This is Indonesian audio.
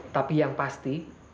tapi yang pasti